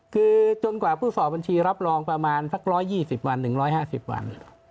คือจนกว่าผู้สอบบัญชีรับรองประมาณสัก๑๒๐วัน๑๕๐วัน